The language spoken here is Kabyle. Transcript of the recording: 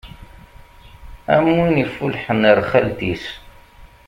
Am win iffullḥen ar xalt-is.